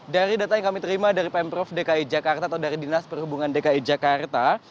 dari data yang kami terima dari pemprov dki jakarta atau dari dinas perhubungan dki jakarta